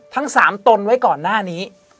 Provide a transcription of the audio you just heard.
ทั้ง๓ตนไว้ก่อนหน้านี้